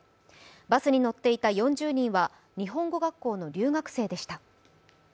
バスに乗っていた４０人は日本語学校の留学生でした。